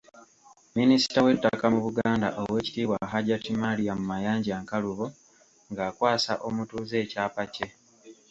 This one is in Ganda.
Minisita w’ettaka mu Buganda Oweekitiibwa Hajjat Mariam Mayanja Nkalubo ng’akwasa omutuuze ekyapa kye.